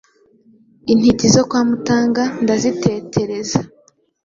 Intiti zo kwa Mutaga ndazitetereza.